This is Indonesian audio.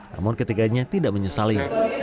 namun ketiganya tidak menyesali